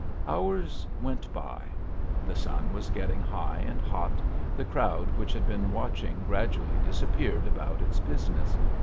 Hours went by. The sun was getting high and hot. The crowd which had been watching gradually disappeared about its business.